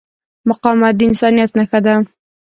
مقاومت د انسانیت نښه ده.